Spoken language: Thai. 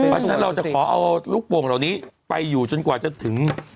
เพราะฉะนั้นเราจะขอเอาลูกโป่งเหล่านี้ไปอยู่จนกว่าจะถึง